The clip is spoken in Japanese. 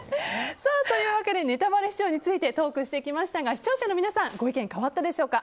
ネタバレ視聴についてトークしてきましたが視聴者の皆さんご意見変わったでしょうか。